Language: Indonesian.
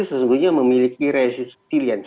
sesungguhnya memiliki resisti